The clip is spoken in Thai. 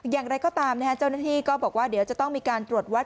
อย่างไรก็ตามนะฮะเจ้าหน้าที่ก็บอกว่าเดี๋ยวจะต้องมีการตรวจวัด